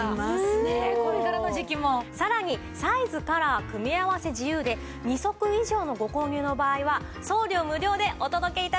さらにサイズカラー組み合わせ自由で２足以上のご購入の場合は送料無料でお届け致します。